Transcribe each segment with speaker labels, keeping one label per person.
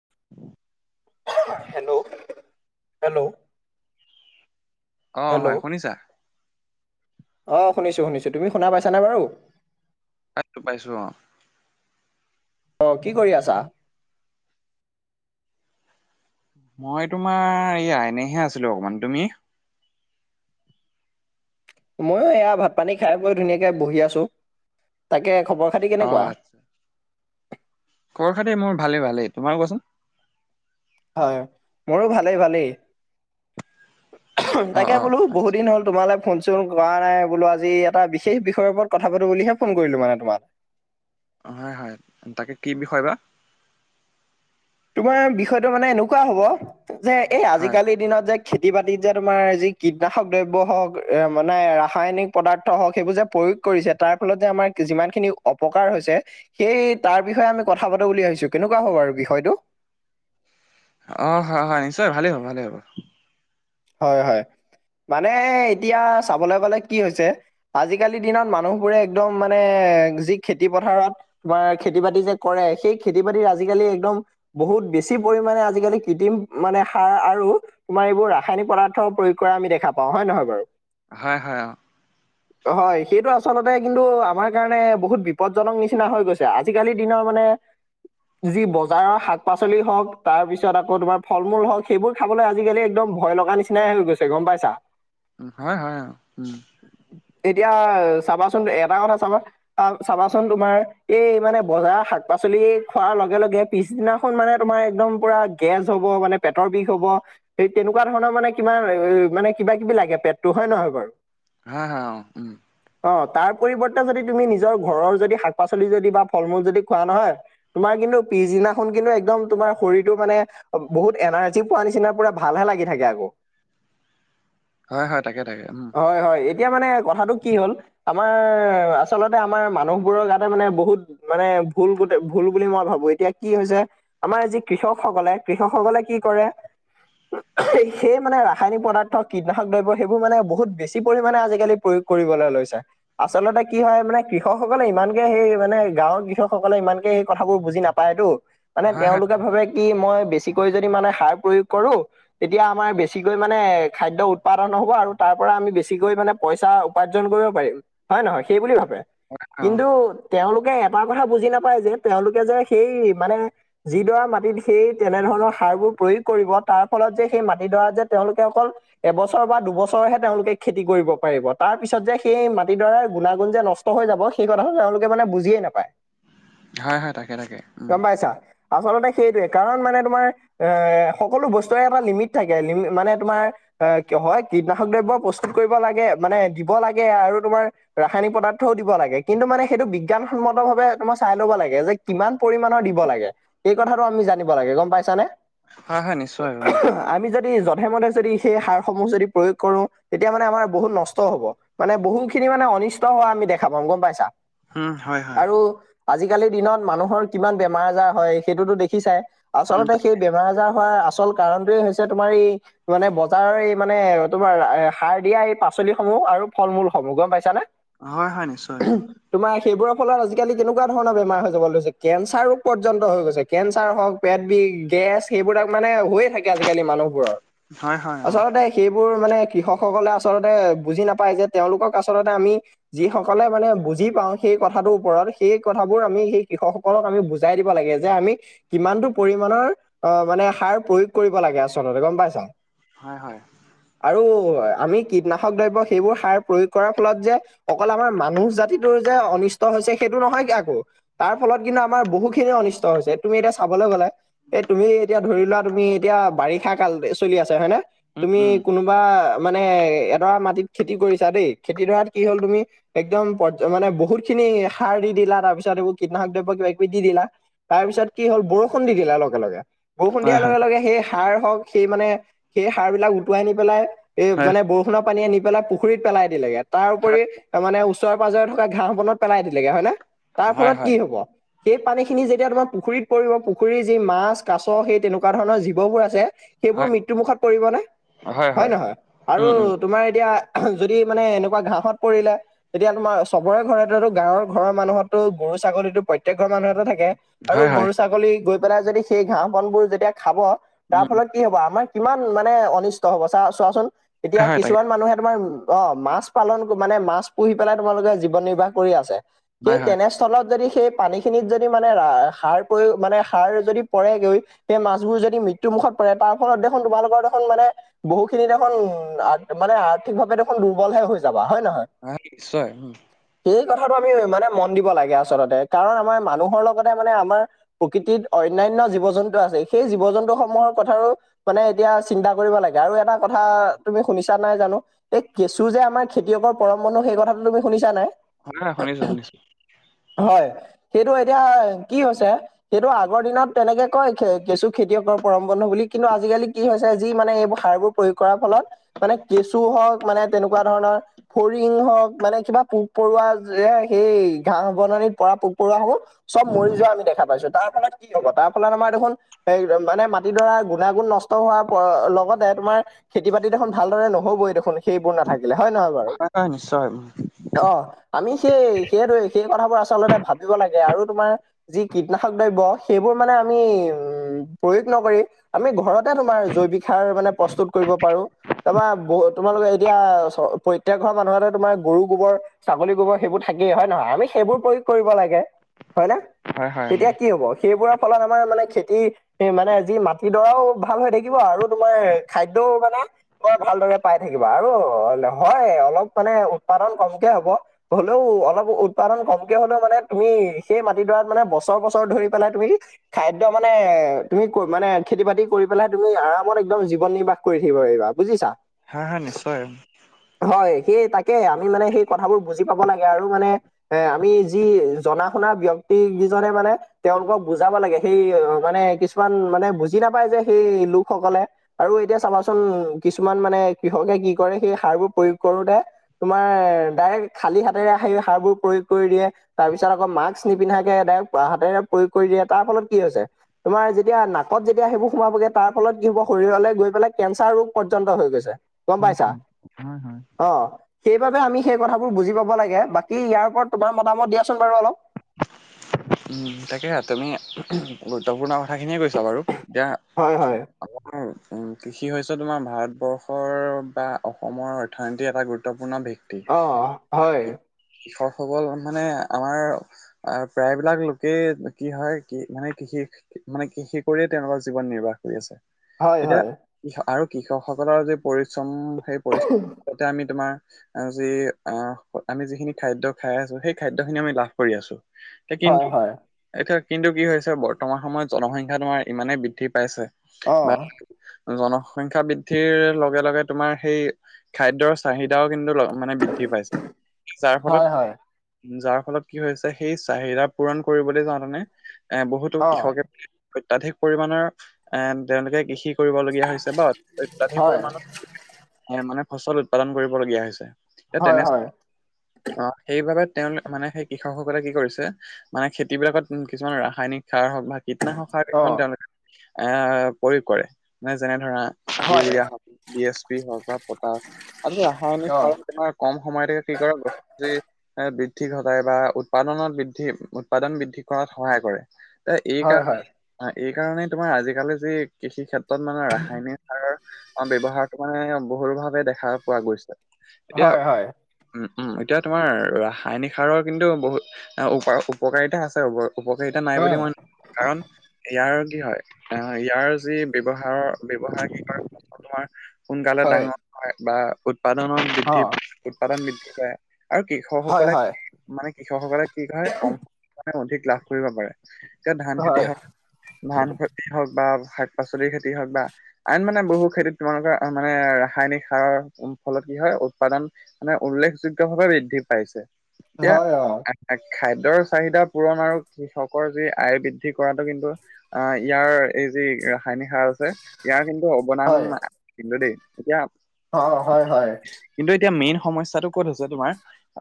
Speaker 1: [inaudible]
Speaker 2: Hello, - hello,
Speaker 1: অ,
Speaker 2: hello
Speaker 1: হয় শুনিছা?
Speaker 2: অ, শুনিছো - শুনিছো তুমি শুনা পাইছা নে বাৰু?
Speaker 1: পাইছো - পাইছো অ,
Speaker 2: অ, কি কৰি আছা?
Speaker 1: মই তোমাৰ এই আইনেহে আছিলো। অকণমান তুমি?
Speaker 2: ময়ো এয়া ভাত পানী খাই গৈ ধুনীয়াকৈ বহি আছো। তাকে খবৰ খাতি কেনেকুৱা?
Speaker 1: খৰ খাতে মোৰ ভালেই - ভালেই। তোমাৰ কোৱাচোন?
Speaker 2: হয় মোৰো ভালেই - ভালেই
Speaker 1: অ
Speaker 2: তাকে
Speaker 1: অ
Speaker 2: বোলো বহুত
Speaker 1: আচ্ছা
Speaker 2: দিন হ'ল। তোমালে ফোন চোন কৰা নাই বোলো আজি এটা বিশেষ বিষয়ৰ ওপৰত কথা পাতো বুলিহে ফোন কৰিলো মানে তোমাক।
Speaker 1: অ, হয়-হয় তাকে কি বিষয় বা?
Speaker 2: তোমাৰ বিষয়টো মানে এনেকুৱা হব যে এই
Speaker 1: হয়
Speaker 2: আজিকালিৰ দিনত যে খেতি বাতিত যে তোমাৰ যি কীটনাশক দ্ৰব্য হওক মানে ৰাসায়নিক পদাৰ্থ হওক সেইবোৰ যে প্ৰয়োগ কৰিছে তাৰ ফলত যে আমাৰ যিমান খিনি অপকাৰ হৈছে সেই তাৰ বিষয়ে আমি কথা পাতো বুলি ভাবিছো কেনেকুৱা হ'ব আৰু বিষয়টো।
Speaker 1: অ, হয় - হয় নিশ্চয় ভালেই হ'ব ভালেই হ'ব।
Speaker 2: হয় - হয় মানে এতিয়া চাবলৈ গলে কি হৈছে। আজিকালিৰ দিনত মানুহবোৰে একদম মানে যি খেতি পথাৰত তোমাৰ খেতি বাতি যে কৰে সেই খেতি বাতিৰ আজিকালি একদম বহুত বেছি পৰিমানে আজিকালি কৃত্ৰিম মানে সাৰ আৰু তোমাৰ এইবোৰ ৰা ৰাসায়নিক পদাৰ্থ প্ৰয়োগ কৰা আমি দেখা পাও হয় নহয় বাৰু
Speaker 1: হয় - হয় অ,
Speaker 2: হয় সেইটো আচলতে কিন্তু আমাৰ কাৰণে বহুত বিপদজনক নিচিনা হৈ গৈছে আ আজিকালি দিনৰ মানে যি বজাৰৰ শাক পাচলি হওঁক তাৰ পিছত আকৌ তোমাৰ ফল মূল হওক সেইবোৰ খাবলৈ আজিকালি একদম ভয় লগা নিচিনাই হৈ গৈছে গম পাইছা।
Speaker 1: হয় হয়।
Speaker 2: এতিয়া চাবাচোন এটা কথা চাবা আহ চাবাচোন তোমাৰ এই মানে বজাৰ শাক পাচলি খোৱাৰ লগে লগে পিছদিনাখন মানে তোমাৰ একদম পুৰা গেছ হ'ব মানে পেটৰ বিষ হ'ব সেই তেনে কুৱা ধৰণৰ মানে কিবা মানে কিবা কিবি লাগে পেটটো হয় নহয় বাৰু।
Speaker 1: হা হা অহ উম।
Speaker 2: অ তাৰ পৰিৱৰ্তে যদি তুমি নিজৰ ঘৰৰ যদি শাক পাচলি যদি বা ফল মূল যদি খোৱা নহয় তোমাৰ কিন্তু পিছদিনাখন কিন্তু একদম তোমাৰ শৰীৰটো মানে বহুত এনাৰ্জি পোৱা নিচিনা পুৰা ভালহে লাগি থাকে আকৌ।
Speaker 1: হয় হয় তাকে তাকে উম।
Speaker 2: হয় হয় এতিয়া মানে কথাটো কি হ'ল আমাৰ আচলতে আমাৰ মানুহবোৰ গাতে মানে বহুত মানে ভুল গোট ভুল বুলি মই ভাবো। এতিয়া কি হৈছে আমাৰ যি কৃষক সকলে কৃষক সকলে কি কৰে, সেই মানে ৰাসায়নিক পদাৰ্থ কীটনাশক দ্ৰব্য সেইবোৰ মানে বহুত বেছি পৰিমাণে আজিকালি প্ৰয়োগ কৰিবলৈ লৈছে। আচলতে কি হয় মানে কৃষকসকলে ইমানকে সেই মানে গাঁৱৰ কৃষক সকলে ইমানকে সেই কথাবোৰ বুজি না পায়তো মানে
Speaker 1: হয় হয়
Speaker 2: তেওঁলোকে ভাবে কি মই বেছিকৈ যদি মানে সাৰ প্ৰয়োগ কৰো তেতিয়া আমাৰ বেছিকৈ মানে খাদ্য উৎপাদন হ'ব আৰু তাৰ পৰা আমি বেছিকৈ মানে পইচা উপাৰ্জন কৰিব পাৰিম হয় নহয় সেই বুলি ভাবে।
Speaker 1: অ
Speaker 2: কিন্তু তেওঁলোকে এটা কথা বুজি নাপায় যে তেওঁলোকে যে সেই মানে যিডৰা মাটিত সেই তেনেধৰণৰ সাৰবোৰ প্ৰয়োগ কৰিব তাৰ ফলত যে সেই মাটিডৰাত যে তেওঁলোকে অকল এবছৰ বা দুবছৰহে তেওঁলোকে খেতি কৰিব পাৰিব তাৰ পিছত যে সেই মাটিডৰাৰ গুণাগুণ যে নষ্ট হৈ যাব সেই কথাটো তেওঁলোকে মানে বুজিয়েই নাপায়।
Speaker 1: হয়, হয় তাকে তাকে উম।
Speaker 2: [unintelligible] আচলতে সেইটোৱে কাৰণ মানে তোমাৰ এ সকলো বস্তুৰে এটা লিমিট থাকে লি মানে তোমাৰ আহ হয় কীটনাশক দ্ৰব্য প্ৰস্তুত কৰিব লাগে মানে দিব লাগে আৰু তোমাৰ ৰাসায়নিক পদাৰ্থও দিব লাগে কিন্তু মানে সেইটো বিজ্ঞানসন্মত ভাবে তোমাৰ চাই লব লাগে যে কিমান পৰিমণৰ দিব লাগে এই কথাটো আমি জানিব লাগে গম পাইছানে?
Speaker 1: হয় হয় নিশ্চয় উম।
Speaker 2: আমি যদি যধে মধে যদি সেই সাৰসমূহ যদি প্ৰয়োগ কৰো তেতিয়া মানে আমাৰ বহুত নষ্টও হব। মানে বহু খিনি মানে অনিষ্ট হোৱা আমি দেখা পাম গম পাইছা?
Speaker 1: উম হয় হয়
Speaker 2: আৰু আজিকালিৰ দিনত মানুহৰ কিমান বেমাৰ আজাৰ হয় সেইটোতো দেখিচাই।
Speaker 1: উম
Speaker 2: আচলতে সেই বেমাৰ আজাৰ হোৱাৰ আচল কাৰনটোয়ে হৈছে তোমাৰ এই মানে বজাৰৰ এই মানে তোমাৰ সাৰ দিয়া এই পাচলি সমূহ আৰু ফল মূলসমূহ গম পাইছানে।
Speaker 1: হয়, হয় নিশ্চয়।
Speaker 2: তোমাৰ সেইবোৰৰ ফলত আজিকালি কেনেকুৱা ধৰণৰ বেমাৰ হৈ যাবলৈ ধৈছে কেঞ্চাৰ ৰোগ পৰ্যন্ত হৈ গৈছে। কেঞ্চাৰ হওক পেট বিষ গেছ সেইবোৰাক মানে হৈয়ে থাকে আজি কালি মানুহবোৰৰ।
Speaker 1: হয় হয় অ
Speaker 2: আচলতে সেইবোৰ মানে কৃষকসকলে আচলতে বুজি নাপায় যে তেওঁলোকক আচলতে আমি যি সকলে মানে বুজি পাওঁ সেই কথাটোৰ ওপৰত সেই কথাবোৰ আমি সেই কৃষক সকলক আমি বুজাই দিব লাগে যে আমি কিমানটো পৰিমান অহ মানে সাৰ প্ৰয়োগ কৰিব লাগে আচলতে গম পাইছ।
Speaker 1: হয়, হয়।
Speaker 2: আৰু আমি কীটনাশক দ্ৰব্য সেইবোৰ সাৰ প্ৰয়োগ কৰাৰ ফলত যে অকল আমাৰ মানুহ জাতিটোৰ যে অনিষ্ট হৈছে সেইটো নহয় কি আকৌ। তাৰফলত কিন্তু আমাৰ বহুখিনি অনিষ্ট হৈছে, তুমি এতিয়া চাবলৈ গলে এই তুমি এতিয়া ধৰি লোৱা তুমি এতিয়া বাৰিষা কাল চলি আছে হয় নে
Speaker 1: উম
Speaker 2: তুমি
Speaker 1: উম
Speaker 2: কোনোবা মানে এডৰা মাটিত খেতি কৰিছা দেই, খেতি ধৰাত কি হ'ল তুমি। একদম প মানে বহুত খিনি সাৰ দি দিলা তাৰ পিছত এইবোৰ কীটনাশক দ্ৰব্য কিবা কিবি দি দিলা। তাৰপিছত কি হল বৰষুণ দি দিলাৰ লগে লগে বৰষুণ
Speaker 1: হয়
Speaker 2: দিয়াৰ
Speaker 1: হয়
Speaker 2: লগে লগে। সেই সাৰ হওক সেই মানে সেই সাৰবিলাক উটুৱাই নি পেলাই এই
Speaker 1: হয়
Speaker 2: মানে বৰষুণৰ পানী আনি পেলাই, পু- খুৰীত পেলাই দিলেগে তাৰ উপৰি
Speaker 1: হয়
Speaker 2: মানে ওচৰ পাজৰে থকা ঘাঁহ বনত পেলাই দিলেগে হয় নে। তাৰ
Speaker 1: হয়
Speaker 2: ফলত কি
Speaker 1: হয়
Speaker 2: হব। সেই পানীখিনি যেতিয়া তোমাৰ পুখুৰীত পৰি পুখুৰীৰ যি মাছ কাছ সেই তেনেকুৱা ধৰণৰ জীৱ বো ভুৰ আছে
Speaker 1: হয়
Speaker 2: সেইবোৰ মৃত্যু মুুখত পৰিব নে
Speaker 1: হয়
Speaker 2: হয়ে
Speaker 1: হয়
Speaker 2: নহয় আৰু
Speaker 1: উম উম
Speaker 2: তোমাৰ এতিয়া যদি মানে এনেকুৱা ঘাঁহত পৰিলে। তেতিয়া তোমাৰ চবৰে ঘৰতে গাঁৱৰ ঘৰৰ মানুহতটো গৰু ছাগলীতো প্ৰত্যেক ঘৰৰ মানুহৰটো থাকে। আৰু
Speaker 1: হয় হয়
Speaker 2: গৰু ছাগলী গৈ পেলাই যদি সেই ঘাঁহ বনবোৰ যেতিয়া খাব তাৰ
Speaker 1: উম উম
Speaker 2: ফলত কি হব আমাৰ কিমান মানে অনিষ্ট হব চা চোৱাচোন এতিয়া
Speaker 1: হয় তাকে
Speaker 2: কিছুমান মানুহে তোমাৰ অ মাছ পালন মানে মাছ পুহি পেলাই তোমালোকে জীৱন নিৰ্বাহ কৰি আছে সেই
Speaker 1: হয় হয়
Speaker 2: তেনেস্থ- ফলত যদি সেই পানীখিনিত যদি মানে ৰা সাৰ প্ৰয়ো মানে সাৰ যদি পৰেগৈ সেই মাছবোৰ যদি মৃত্যুমুখত পৰে তাৰ ফলত দেখোন তোমালোকৰ দেখোন মানে বহু খিনি দেখোন উ মানে আৰ্থিকভাৱে দেখোন দুৰ্বলহে হৈ যাবা হয় নহয়।
Speaker 1: অহ নিশ্চয়।
Speaker 2: সেই কথাটো আমি মানে মন দিব লাগে আচলতে কাৰণ আমাৰ মানুহৰ লগতে মানে আমাৰ প্ৰকৃতিত অন্যান্য জীৱ জন্তু আছে। সেই জীৱ জন্তুসমূহৰ কথাৰো মানে এতিয়া চিন্তা কৰিব লাগে আৰু এটা কথা তুমি শুনিছা নাই জানো। এই কেঁচু যে আমাৰ খেতিয়কৰ পৰম বন্ধু সেই কথাটো তুমি শুনিছা নাই?
Speaker 1: শুনা শুনিছো শুনিছো।
Speaker 2: হয়। সেইটো এতিয়া কি হৈছে সেইটো আগৰ দিনত তেনেকে কয় কেঁচু খেতিয়কৰ পৰম বন্ধ বুলি কিন্তু আজিকালি কি হৈছে যি মানে এই সাৰবোৰ প্ৰয়োগ কৰাৰ ফলত মানে কেঁচু হওক মানে তেনেকুৱা ধৰণৰ ফৰিং হওক মানে কিবা পোক পৰুৱা যে সেই ঘাঁহ বননিত পৰা পোক-পৰুৱাসমুহ চব মৰি যোৱা আমি দেখা পাইছো। তাৰ ফলত কি হ'ব তাৰ ফলত আমাৰ দেখোন এ মানে মাট মাটি ধৰা গুণাগুণ নষ্ট হোৱাৰ প লগতে তোমাৰ খেতি বাতি দেখোন ভালদৰে নহবই দেখোন সেইবোৰ নাথাকিলে হয়, নহয় বাৰু?
Speaker 1: হয় হয় নিশ্চয় উম
Speaker 2: অ আমি সেই সেইটোৱে সেই কথাবোৰ আচলতে ভাবিব লাগে আৰু তোমাৰ যি কীটনাশক দ্ৰব্য সেইবোৰ মানে আমি উম প্ৰয়োগ নকৰি আমি ঘৰতে তোমাৰ জৈৱিক সাৰ মানে প্ৰস্তুত কৰিব পাৰো। তা পা বহু তোমালোকে এতিয়া চ প্ৰত্যেক ঘৰ মানুহতে তোমাৰ গৰু গোবৰ ছাগলী গোবৰ সেইবোৰ থাকেই হয় নহয়। আমি সেইবোৰ প্ৰয়োগ কৰিব লাগে। হয় নে?
Speaker 1: হয় হয় উম
Speaker 2: তেতিয়া কি হব সেইবোৰৰ ফলত আমাৰ মানে খেতি হে মানে যি মাটিডৰাও ভাল হৈ থাকিব আৰু তোমাৰ খাদ্যও মানে বৰ ভালদৰে পাই থাকিবা আৰু হয় অলপ মানে উৎপাদন কমকে হ'ব। হলোঁ অলপ উৎপাদন কমকে হলেও মানে তুমি সেই মাটিডৰাত মানে বছৰ বছৰ ধৰি পেলাই তুমি খাদ্য মানে তুমি কৈ মানে খেতি-বাতি কৰি পেলাই তুমি আৰামত একদম জীৱন নিৰ্বাহ কৰি থাকিব পাৰিবা বুজিছা।
Speaker 1: হা হা নিশ্চয়।
Speaker 2: হয় সেই তাকে আমি মানে সেই কথাবোৰ বুজি পাব লাগে আৰু মানে এ আমি যি জনা শুনা ব্যক্তি কিজনে মানে তেওঁলোকক বুজাব লাগে সেই মানে কিছুমান মানে বুজি নাপায় যে সেই লোকসকলে আৰু এতিয়া চাবাচোন কিছুমান মানে কৃষকে কি কৰে সেই সাৰবোৰ প্ৰয়োগ কৰোতে তোমাৰ ডাইৰেক্ট খালী হাতেৰে আহি সাৰবোৰ প্ৰয়োগ কৰি দিয়ে। তাৰপিছত আকৌ মাস্ক নিপিন্ধাকে হাতেৰে প্ৰয়োগ কৰি দিয়ে তাৰ ফলত কি হৈছে। তোমাৰ যি- তিয়া নাকত যেতিয়া সেইবোৰ সোমাবগে তাৰ ফলত কি হ'ব, শৰীৰলে গৈ পেলাই কেঞ্চাৰ ৰোগ পৰ্যন্ত হৈ গৈছে।
Speaker 1: [unintelligible]
Speaker 2: গম পাইছা
Speaker 1: হয় -হয়।
Speaker 2: অ', সেইবাবে আমি সেই কথাবোৰ বুজি পাব লাগে, বাকী ইয়াৰ ওপৰত তোমাৰ মতামত দিয়াচোন বাৰু অলপ?
Speaker 1: উম, তাকে তুমি গুৰুত্বপূৰ্ণ কথাখিনিয়ে কৈছা বাৰু দিয়া
Speaker 2: হয় -হয়
Speaker 1: উম, কৃষি হৈছে তোমাৰ ভাৰতবৰ্ষৰ বা অসমৰ অৰ্থনীতিৰ এটা গুৰুত্বপূৰ্ণ
Speaker 2: অ
Speaker 1: দিশ
Speaker 2: হয়
Speaker 1: কৃষক সকল মানে আমাৰ আ প্ৰায় প্ৰায়বিলাক লোকে কি হয় কি মানে কৃষি মানে কৃষি কৰিয়ে তেওঁলোকৰ জীৱন নিৰ্বাহ কৰি আছে।
Speaker 2: হয়
Speaker 1: এতিয়া
Speaker 2: হয়
Speaker 1: আৰু কৃষকসকলৰ যি পৰিশ্ৰম সেই পৰিশ্ৰম তাতে আমি তোমাৰ আজি আহ আমি যিখিনি খাদ্য খাই আছো সেই খাদ্য খিনি আমি লাভ কৰি আছো। এতিয়া
Speaker 2: হয়
Speaker 1: কিন্তু-
Speaker 2: হয়
Speaker 1: এতিয়া কিন্তু কি হৈছে বৰ্তমান সময়ত জনসংখ্যা তোমাৰ ইমানেই বৃদ্ধি পাইছে
Speaker 2: অ
Speaker 1: [unintelligible] জনসংখ্যা বৃদ্ধিৰ লগে -লগে তোমাৰ সেই খাদ্যৰ চাহিদাও কিন্তু ল মানে বৃদ্ধি পাইছে, যাৰ
Speaker 2: হয়
Speaker 1: ফলত-
Speaker 2: হয়
Speaker 1: যাৰ ফলত কি হৈছে সেই চাহিদা পূৰণ কৰিবলে যাওঁতে নে এ বহুতো
Speaker 2: অ
Speaker 1: কৃষকে মানে অত্যাধিক পৰিমানৰ এ তেওঁলোকে কৃষি কৰিবলগীয়া হৈছে বা অত্যাধিক
Speaker 2: হয়
Speaker 1: পৰিমানৰ এ মানে ফচল উৎপাদন কৰিবলগীয়া হৈছে, এ
Speaker 2: হয়
Speaker 1: তেনে
Speaker 2: হয়
Speaker 1: অ', সেইবাবে তেওঁ মানে সেই কৃষকসকলে কি কৰিছে ছে মানে খেতি বিলাকত উম কিছুমানে ৰাসায়নিক সাৰ হওঁক বা কীটনাশক সাৰ
Speaker 2: অ
Speaker 1: কিছুমান তেওঁলোকে এ প্ৰয়োগ কৰে নে যেনে ধৰা
Speaker 2: হয়
Speaker 1: ইউৰিয়া হওঁক ডি এছ পি হওঁক বা পটাছ আৰু ৰাসায়নিক
Speaker 2: অ
Speaker 1: সাৰ তোমাৰ কম সময়তে কি কৰে [unintelligible] এ বৃদ্ধি ঘটাই বা উৎপাদনত বৃধ দ্ধি উৎপাদন বৃদ্ধি কৰাত সহায় কৰে, ত এই
Speaker 2: হয় হয়
Speaker 1: কাৰণেই অ', এই কাৰণেই তোমাৰ আজিকালি যি কৃষি ক্ষেত্ৰত মানে ৰাসায়নিক সাৰ অ', ব্যৱহাৰটো মানে বহুল ভাৱে দেখা পোৱা গৈছে এতিয়া
Speaker 2: হয় হয়
Speaker 1: উম - উম এতিয়া তোমাৰ ৰাসায়নিক সাৰৰ কিন্তু বহুত অ', উপা উপকাৰিতা আছে উপকাৰিতা নাই
Speaker 2: অ
Speaker 1: বুলি মই নকওঁ। কাৰণ ইয়াৰ কি হয় আহ ইয়াৰ যি ব্যৱহাৰৰ ব্যৱহাৰ কি কয় তোমাৰ সোনকালে
Speaker 2: হয়
Speaker 1: ডাঙৰ হয় বা উৎপাদনৰ
Speaker 2: অ
Speaker 1: বৃদ্ধি উৎপাদন বৃদ্ধি কৰে আৰু
Speaker 2: হয়
Speaker 1: কৃষকসকলে
Speaker 2: হয়
Speaker 1: মানে কৃষকসকলে কি কাৰণে কম সময়তে অধিক লাভ কৰিব পাৰে এতিয়া
Speaker 2: হয়
Speaker 1: ধান
Speaker 2: হয় অ
Speaker 1: খেতি
Speaker 2: হয়
Speaker 1: হওক ধান খেতি হওক বা শাক- পাচলিৰ খেতি হওক বা আৰু মানে বহু খেতিত তোমালোকৰ মানে ৰাসায়নিক সাৰৰ ফলত কি হয় উৎপাদন মানে উল্লেখযোগ্য ভাৱে বৃদ্ধি পাইছে এতিয়া
Speaker 2: হয়, অ।
Speaker 1: আহ, খাদ্যৰ চাহিদা পূৰণ আৰু কৃষকৰ যি আয় বৃদ্ধি কৰাটো কিন্তু আহ ইয়াৰ এই যি ৰাসায়নিক সাৰ আছে ইয়াৰ কিন্তু অৱদান আছিল কিন্তু দেই, এতিয়া
Speaker 2: অ অ হয় হয়।
Speaker 1: কিন্তু এতিয়া মেইন সমস্যাটো ক'ত হৈছে তোমাৰ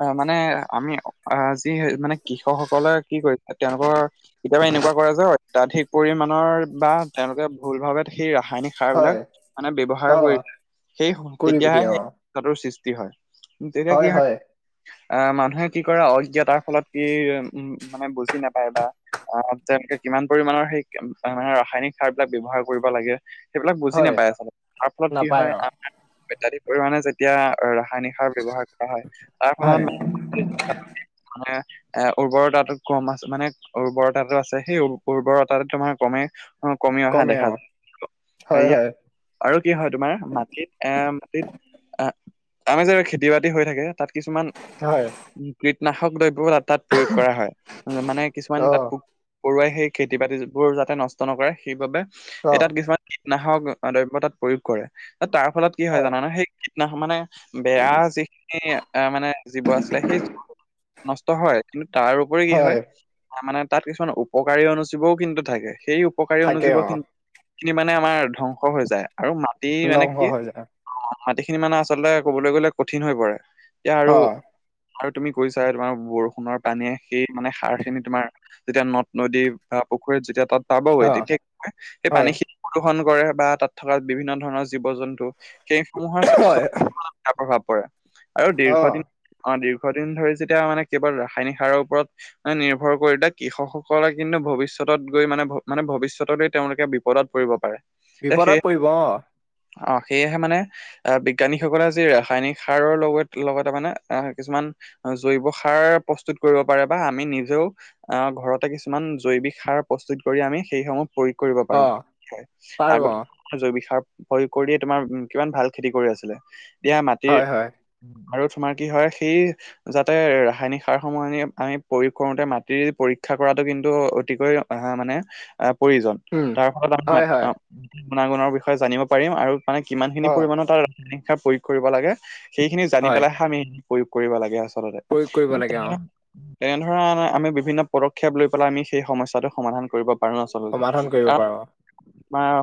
Speaker 1: আহ মানে আমি অ আজ যি মানে কৃষকসকলে কি কৰিছে তেওঁলোকৰ কেতিয়াবা এনেকুৱা কৰে যে অত্যাধিক পৰিমানৰ বা তেওঁলোকে ভুল ভাবে সেই ৰাসায়নিক সাৰ বিলাক
Speaker 2: হয়
Speaker 1: মানে ব্যৱহাৰ
Speaker 2: অ
Speaker 1: কৰি সেই
Speaker 2: কৰিব
Speaker 1: তেতিয়াহে
Speaker 2: দিয়ে
Speaker 1: সেই
Speaker 2: অ
Speaker 1: সৃষ্টি হয়। তেতিয়া কি হয় আহ মানুহে কি কৰে অজ্ঞাতাৰ ফলত কি উম মানে বুজি নাপায় বা অ তেওঁলোকে কিমান পৰিমাণৰ সেই মানে ৰাসায়নিক সাৰ বিলাক ব্যৱহাৰ কৰিব লাগে সেইবিলাক বুজি
Speaker 2: হয়
Speaker 1: নাপায় আচলতে, তাৰ ফলত কি
Speaker 2: নাপায়
Speaker 1: হয়
Speaker 2: অ
Speaker 1: অত্যাধিক পৰিমানে যেতিয়া ৰাসায়নিক সাৰ ব্যৱহাৰ কৰা হয় তাৰ
Speaker 2: হয়
Speaker 1: ফলত [unintelligible] মানে এ উৰ্বৰতাতো কম আছে মানে উৰ্বৰতাটো আছে সেই উৰ্বৰতাটো তোমাৰ কমে অ কমি অহা
Speaker 2: কমে অ
Speaker 1: দেখা যায়।
Speaker 2: হয়
Speaker 1: ইয়াত
Speaker 2: হয়
Speaker 1: [unintelligible] আৰু কি হয় তোমাৰ মাটিত এ মাটিত আহ আমি যে খেতি বাতি হৈ থাকে তাত কিছুমান
Speaker 2: হয়।
Speaker 1: কীটনাশক দ্ৰব্যও তাত প্ৰয়োগ কৰা হয় মানে
Speaker 2: অ
Speaker 1: কিছুমান তাত প পৰুৱাই সেই খেতি বাতিবোৰ যাতে নষ্ট নকৰে সেইবাবে
Speaker 2: অ
Speaker 1: এ তাত কিছুমান কীটনাশক দ্ৰব্যতাত প্ৰয়োগ কৰে তাৰ ফলত কি হয় জানানে সেই কীটনাশক মানে বেয়া যিখিনি এ মানে জীৱ আছিলে সেই নষ্ট হয় কিন্তু তাৰ উপৰি কি হয় মানে তাত কিছুমান উপকাৰী অনুজীৱও কিন্তু থাকে সেই উপকাৰী
Speaker 2: থাকে
Speaker 1: অনুজীৱ
Speaker 2: অ
Speaker 1: খিনি স খিনি মানে আমাৰ ধ্বংস হৈ যায় আৰু মাটি মানে
Speaker 2: ধ্বংস
Speaker 1: কি
Speaker 2: হৈ যায়
Speaker 1: মাটি খিনি মানে আচলতে কবলৈ গলে কঠিন হৈ পৰে এতিয়া
Speaker 2: অ
Speaker 1: আৰু আৰু তুমি কৰি চাই তোমাৰ বৰষুণৰ পানীয়ে সেই মানে সাৰ খিনি তোমাৰ যেতিয়া নদ নদী বা পুখুৰীত যেতিয়া তাত পাবগৈ
Speaker 2: অ
Speaker 1: তেতিয়া কি সেই পানী
Speaker 2: হয়
Speaker 1: খিন প্ৰদূষন কৰে বা তাত থকা বিভিন্ন ধৰণৰ জীৱ - জন্তু সেই সমূহৰ
Speaker 2: হয়
Speaker 1: স্বাস্থ্যৰ বেয়া প্ৰভাৱ পৰে আৰু
Speaker 2: অ
Speaker 1: দীৰ্ঘদিন - দীৰ্ঘদ দিন ধৰি যেতিয়া মানে কেৱল ৰাসায়নিক সাৰৰ ওপৰত নিৰ্ভৰ কৰিলে কৃষকসকলে কিন্তু ভৱিষ্যতত গৈ মানে মানে ভৱিষ্যতলৈ তেওঁলোকে বিপদত পৰিব পাৰে। এতিয়া সেই
Speaker 2: বিপদত পৰিব অ,
Speaker 1: অ, সেয়েহে মানে আহ বিজ্ঞানীসকলে আজি ৰাসায়নিক সাৰৰ লগ লগতে মানে আহ কিছুমান জৈৱ সাৰ প্ৰস্তুত কৰিব পাৰে বা আমি নিজেও আহ ঘৰতে কিছুমান জৈৱিক সাৰ প্ৰস্তুত কৰি আমি সেইসমূহ প্ৰয়োগ কৰিব
Speaker 2: অ
Speaker 1: পাৰো হয়
Speaker 2: পাৰো
Speaker 1: আগত
Speaker 2: অ
Speaker 1: জৈৱিক সাৰ প্ৰয়োগ কৰিয়েই তোমাৰ কিমান ভাল খেতি কৰি আছিলে এতিয়া
Speaker 2: হয়
Speaker 1: মাটিৰ
Speaker 2: হয়
Speaker 1: আৰু তোমাৰ কি হয় সেই যাতে ৰাসায়নিক সাৰ সমহি আমি প্ৰয়োগ কৰোতে মাটি পৰীক্ষা কৰাতটো কিন্তু অতিকৈ অ, মানে প্ৰয়োজন
Speaker 2: উম
Speaker 1: তাৰ ফলত আমি ম
Speaker 2: হয়
Speaker 1: -
Speaker 2: হয়
Speaker 1: ম গুণাগুণৰ বিষয়ে জানিব পাৰিম আৰু মানে কিমান খিনি
Speaker 2: অ
Speaker 1: পৰিমাণৰ তাত ৰাসায়নিক সাৰ প্ৰয়োগ কৰিব লাগে সেইখিনি জানি
Speaker 2: হয়
Speaker 1: পেলাইহে আমি কৰিব লাগে আচলতে
Speaker 2: প্ৰয়োগ কৰিব
Speaker 1: তে
Speaker 2: লাগে অ
Speaker 1: তেনে ধৰা আমি বিভিন্ন পদক্ষেপ লৈ পেলাই আমি সেই সমস্যটো সমাধান কৰিব পাৰো আচলতে
Speaker 2: সমাধান কৰিব পাৰো।
Speaker 1: ম অ,